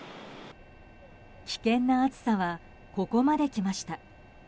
危険な暑さはここまできました。